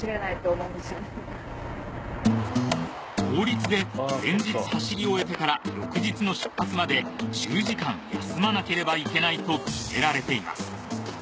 法律で前日走り終えてから翌日の出発まで１０時間休まなければいけないと決められています